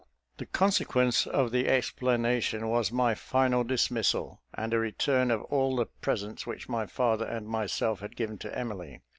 The consequence of the explanation was my final dismissal, and a return of all the presents which my father and myself had given to Emily.